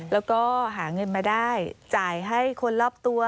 แล้วก็หาเงินมาได้จ่ายให้คนรอบตัว